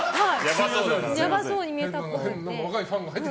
やばそうに見えたっぽくて。